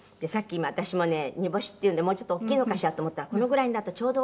今私もね煮干しっていうんでもうちょっと大きいのかしらと思ったらこのぐらいだとちょうど。